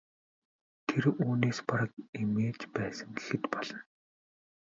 Тэр үүнээс бараг эмээж байсан гэхэд болно.